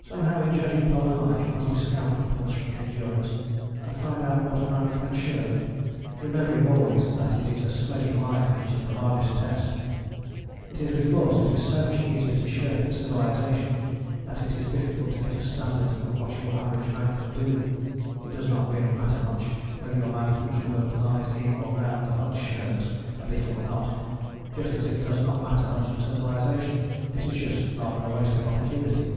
Somehow in judging polar life you must discount compulsory endurance; and find out what a man can shirk, remembering always that it is a sledging life which is the hardest test. It is because it is so much easier to shirk in civilization that it is difficult to get a standard of what your average man can do. It does not really matter much whether your man whose work lies in or round the hut shirks a bit or not, just as it does not matter much in civilization: it is just rather a waste of opportunity.